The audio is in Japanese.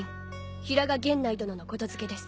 平賀源内殿の言付けです。